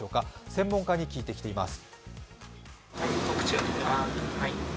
専門家に聞いてきています。